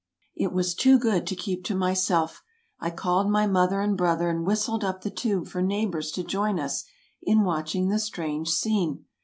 It was too good to keep to myself; I called my mother and brother and whistled up the tube for neighbors to join us in watching the strange scene.